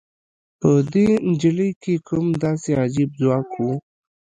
په دې نجلۍ کې کوم داسې عجيب ځواک و؟